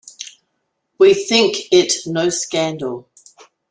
We think it no scandal.